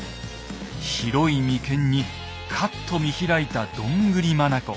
広い眉間にカッと見開いたどんぐり眼。